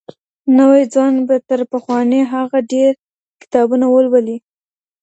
نوی ځوان به تر پخواني هغه ډېر کتابونه ولولي.